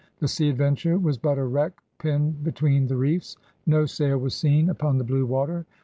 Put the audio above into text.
" The Sea Adventure was but a wreck pinned between the reefs. No sail was seen upon the blue water.